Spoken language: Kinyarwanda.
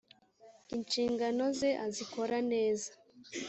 inshingano ze azikora neza.